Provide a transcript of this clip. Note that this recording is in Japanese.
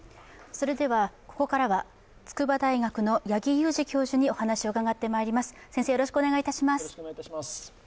それではここからは筑波大学の八木教授にお話を伺います。